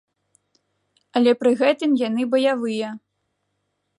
Але пры гэтым яны баявыя!